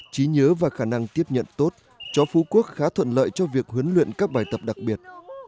trí nhớ và khả năng tiếp nhận tốt cho phú quốc khá thuận lợi cho việc huấn luyện các bài tập đặc biệt